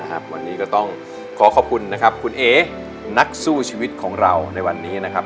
วันนี้ก็ต้องขอขอบคุณนะครับคุณเอ๊นักสู้ชีวิตของเราในวันนี้นะครับ